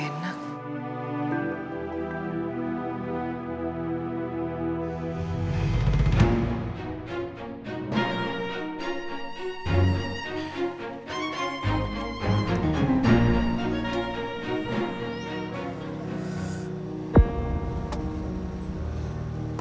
perasaanku jadi gak enak